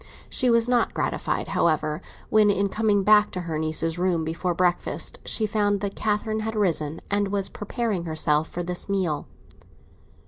She was not gratified, however, when, in coming back to her niece's room before breakfast, she found that Catherine had risen and was preparing herself for this meal.